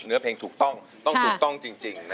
เนื้อเพลงถูกต้องต้องถูกต้องจริง